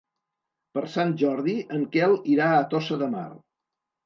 Per Sant Jordi en Quel irà a Tossa de Mar.